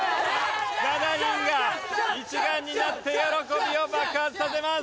７人が一丸になって喜びを爆発させます！